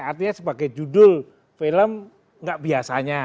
artinya sebagai judul film nggak biasanya